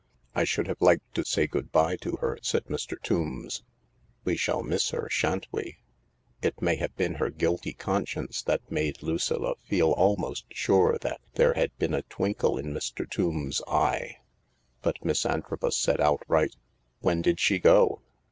" I should have liked to say good bye to her," said Mr. Tombs. " We shall miss her, shan't we ?" It may have been her guilty conscience that made Lucilla feel almost sure that there had been a twinkle in Mr. Tombs' eye. But Miss Antrobus said outright :" When did she go